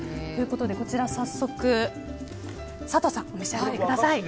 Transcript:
こちら早速佐藤さん、お召し上がりください。